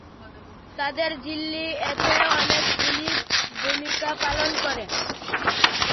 তাদের ঝিল্লি এতে অনেকগুলি ভূমিকা পালন করে।